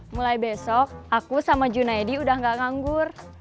mulai besok aku sama junaidi udah gak nganggur